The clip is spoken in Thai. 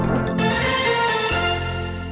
กินล้างบาง